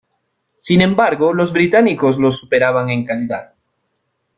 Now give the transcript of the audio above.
Sin embargo, los británicos los superaban en calidad.